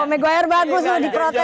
megawire bagus tuh di protes